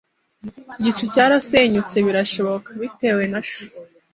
Igicu cyara senyutse birashoboka bitewe na sho